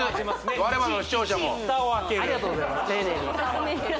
我々も視聴者も１蓋を開けるありがとうございます